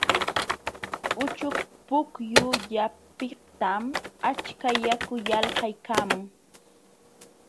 Uchuk pukyullapiqtam achka yaku yalqaykaamun.